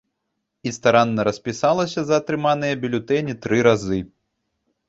І старанна распісалася за атрыманыя бюлетэні тры разы.